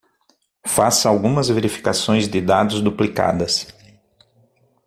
Faça algumas verificações de dados duplicadas